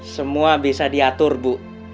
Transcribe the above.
semua bisa diatur bu